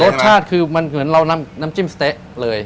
รสชาติคือมันเหมือนเราน้ำจิ้มสะเต๊ะเลย